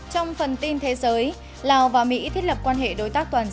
trong phần tin thế giới lào và mỹ thiết lập quan hệ đối tác toàn diện